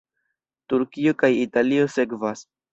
Turkio kaj Italio sekvas.